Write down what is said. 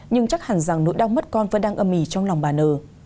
nhưng chắc hẳn rằng nỗi đau mất con vẫn đang âm mỉ trong lòng bà n